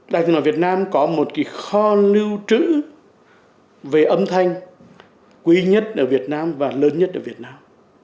đài tiếng nói việt nam có một kho lưu trữ về âm thanh quý nhất ở việt nam và lớn nhất ở việt nam